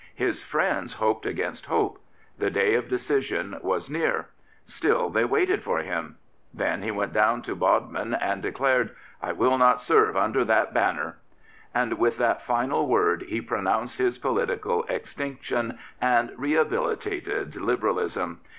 His friends hoped against hope. The day of decision was near. Still they waited for him. Then he went down to Bodmin and declared: " I will not serve under that banner." And with that final word he pronounced his political extinction and rehabilitated Liberalism.